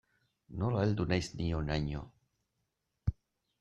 Nola heldu naiz ni honaino.